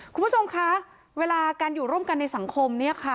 คุณผู้ชมคะเวลาการอยู่ร่วมกันในสังคมเนี่ยค่ะ